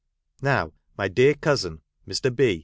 Now my dear cousin, Mr. B.